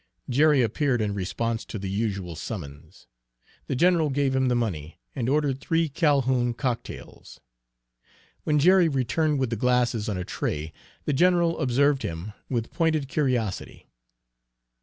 Jerry appeared in response to the usual summons. The general gave him the money, and ordered three Calhoun cocktails. When Jerry returned with the glasses on a tray, the general observed him with pointed curiosity.